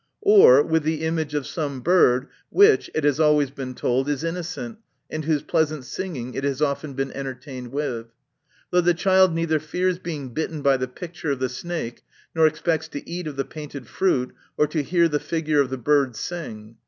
Or, with the image of some bird, which it has always been told, is innocent, and whose pleasant sing ing it has often been entertained with ? Though the child neither fears being bitten by the picture of the snake, nor expects to eat of the painted fruit, or to • hear the figure of the bird sing.